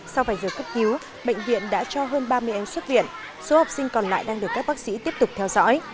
sau vài giờ cấp cứu bệnh viện đã cho hơn ba mươi em xuất viện số học sinh còn lại đang được các bác sĩ tiếp tục theo dõi